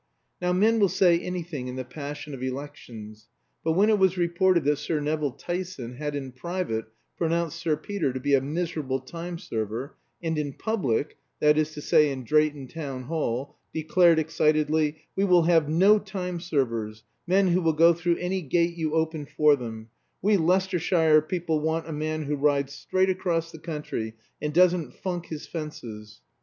Now men will say anything in the passion of elections; but when it was reported that Mr. Nevill Tyson had in private pronounced Sir Peter to be a "miserable time server," and in public (that is to say, in Drayton Town Hall) declared excitedly "We will have no time servers men who will go through any gate you open for them we Leicestershire people want a man who rides straight across country, and doesn't funk his fences!"